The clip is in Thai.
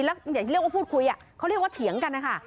แล้วอย่างที่เรียกว่าพูดคุยเขาเรียกว่าเถียงกันนะคะ